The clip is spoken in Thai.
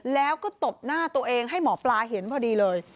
แล้วก็ตบหน้าตัวเองให้หมอปลาเห็นพอดีเลย